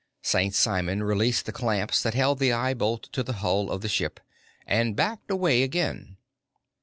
St. Simon released the clamps that held the eye bolt to the hull of the ship, and backed away again.